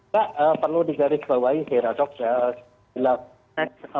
pak perlu digarisbawahi saya